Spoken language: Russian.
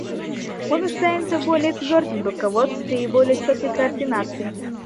Мы нуждаемся в более твердом руководстве и более четкой координации.